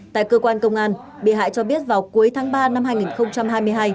tại cơ quan công an bị hại cho biết vào cuối tháng ba năm hai nghìn hai mươi hai